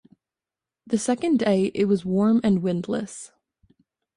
The second day it was warm and windless.